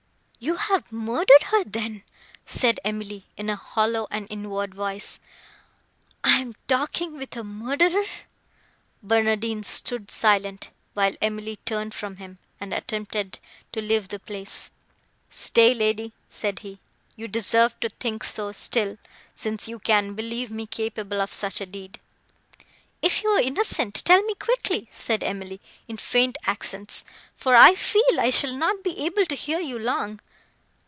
"You have murdered her, then!" said Emily, in a hollow and inward voice—"I am talking with a murderer!" Barnardine stood silent; while Emily turned from him, and attempted to leave the place. "Stay, lady!" said he, "You deserve to think so still—since you can believe me capable of such a deed." "If you are innocent, tell me quickly," said Emily, in faint accents, "for I feel I shall not be able to hear you long."